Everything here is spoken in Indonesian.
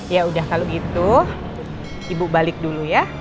ya udah kalau gitu ibu balik dulu ya